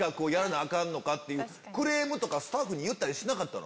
クレームとかスタッフに言ったりしなかったの？